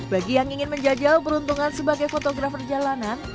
bagi yang ingin menjajal peruntungan sebagai fotografer ini adalah